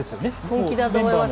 本気だと思います。